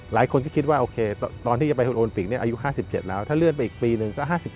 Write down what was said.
หลายคนก็คิดว่าโอเคตอนที่จะไปโอลิปิกอายุ๕๗แล้วถ้าเลื่อนไปอีกปีหนึ่งก็๕๗